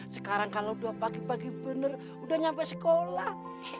sekarang kalau dua pagi pagi bener udah nyampe sekolah